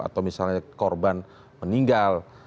atau misalnya korban meninggal